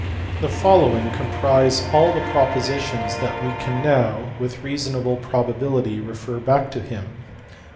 The following comprise all the propositions that we can now with reasonable probability refer back to him.